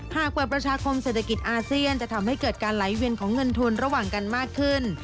หากเปิดประชาคมเศรษฐกิจอาเซียนจะทำให้เกิดการไหลเวียนของเงินทุนระหว่างกันมากขึ้น